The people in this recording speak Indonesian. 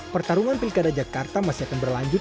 pertarungan pilih kedai jakarta masih akan berlanjut